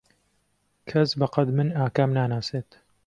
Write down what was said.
کەس بەقەد من ئاکام ناناسێت.